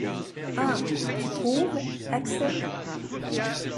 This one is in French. Ah ! tu trouves, Axel ?